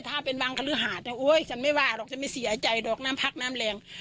ถ้าเป็นวังคลือหาดฉันไม่ว่าจะไม่เสียใจดอกน้ำพักน้ำแหลง